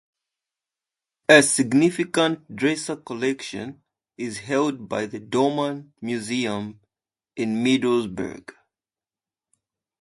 A significant Dresser collection is held by the Dorman Museum in Middlesbrough.